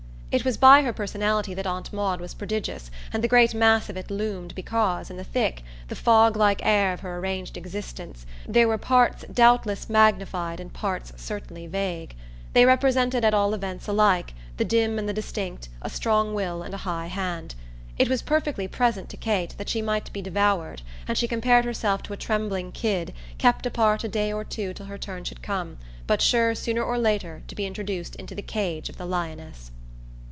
It was by her personality that Aunt Maud was prodigious, and the great mass of it loomed because, in the thick, the foglike air of her arranged existence, there were parts doubtless magnified and parts certainly vague. They represented at all events alike, the dim and the distinct, a strong will and a high hand. It was perfectly present to Kate that she might be devoured, and she compared herself to a trembling kid, kept apart a day or two till her turn should come, but sure sooner or later to be introduced into the cage of the lioness.